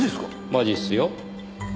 マジっすよ。